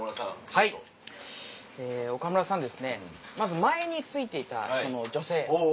はい岡村さんはまず前に憑いていた女性。